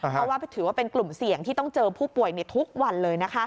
เพราะว่าถือว่าเป็นกลุ่มเสี่ยงที่ต้องเจอผู้ป่วยในทุกวันเลย